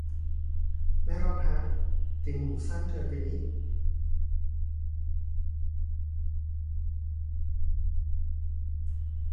ไม่รอดฮะ ติ่งหูสั้นเกินไปนิด